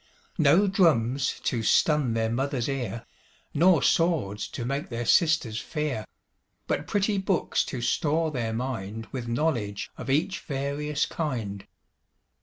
No drums to stun their Mother's ear, Nor swords to make their sisters fear; But pretty books to store their mind With knowledge of each various kind.